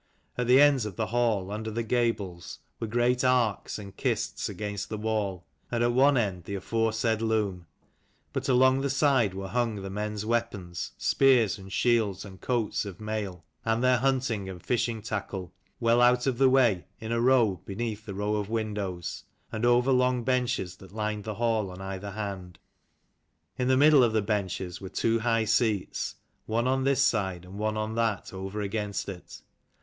At the ends of the hall under the gables were great arks and kists against the wall, and at one end the aforesaid loom : but along the side were hung the men's weapons, spears and shields and coats of mail, and their hunting and fishing tackle, well out of the way in a row beneath the row of windows, and over long benches that lined the hall on either hand. In the middle of the benches were two high seats, one on this side and one on that over against it.